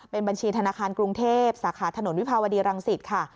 เป็นบัญชีธนาคารกรุงเทพสาขาถนนวิภาวดีรังสิตค่ะ